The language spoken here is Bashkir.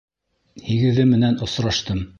Һигеҙе менән осраштым.